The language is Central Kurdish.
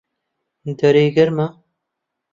دەرێ گەرمە؟